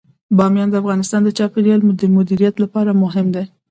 بامیان د افغانستان د چاپیریال د مدیریت لپاره مهم دي.